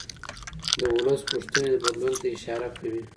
د ولس غوښتنې بدلون ته اشاره کوي